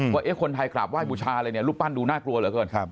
ว่าคนไทยกราบไห้บูชาอะไรเนี่ยรูปปั้นดูน่ากลัวเหลือเกิน